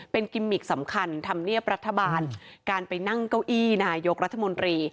เป็นกิมมิกสำคัญธรรมเนียบรัฐบาลการไปนั่งเก้าอี้นายกรัฐมนตรี